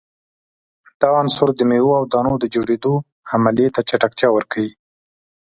دا عنصر د میو او دانو د جوړیدو عملیې ته چټکتیا ورکوي.